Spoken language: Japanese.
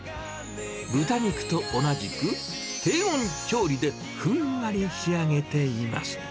豚肉と同じく、低温調理でふんわり仕上げています。